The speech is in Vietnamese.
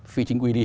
phi chính quy định